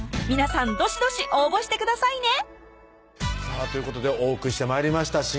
皆さんどしどし応募してくださいねさぁということでお送りして参りました